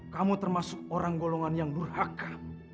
kamu termasuk orang golongan yang nurhaka